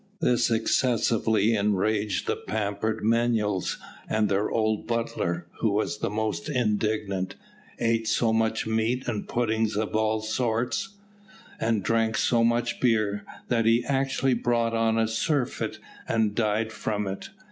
This excessively enraged the pampered menials, and their old butler, who was the most indignant, ate so much meat and puddings of various sorts, and drank so much beer, that he actually brought on a surfeit, and died from it.